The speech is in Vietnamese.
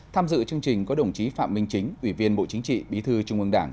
tham dự chương trình có đồng chí phạm minh chính ủy viên bộ chính trị bí thư trung ương đảng